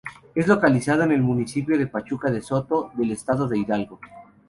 Es localizado en el Municipio de Pachuca de Soto del Estado de Hidalgo.